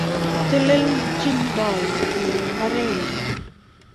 Teleltochindoi née mbarenyii?